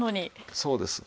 そうです。